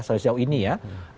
sebesar ini ya